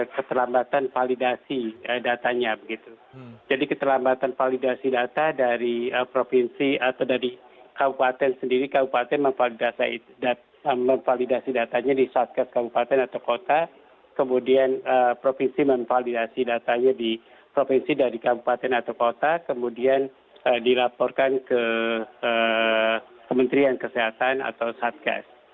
keterlambatan validasi datanya begitu jadi keterlambatan validasi data dari provinsi atau dari kabupaten sendiri kabupaten memvalidasi datanya di satga kabupaten atau kota kemudian provinsi memvalidasi datanya di provinsi dari kabupaten atau kota kemudian dilaporkan ke kementerian kesehatan atau satga